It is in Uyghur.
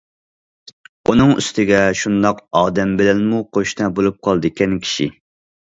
ئۇنىڭ ئۈستىگە شۇنداق ئادەم بىلەنمۇ قوشنا بولۇپ قالىدىكەن كىشى.